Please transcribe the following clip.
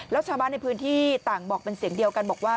แล้วชาวบ้านในพื้นที่ต่างบอกเป็นเสียงเดียวกันบอกว่า